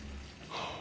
はあ。